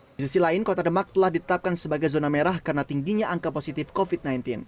di sisi lain kota demak telah ditetapkan sebagai zona merah karena tingginya angka positif covid sembilan belas